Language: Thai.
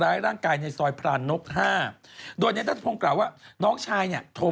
ร้ายร่างกายในซอยพรานนกห้าโดยเนี่ยน้องชายเนี่ยโทร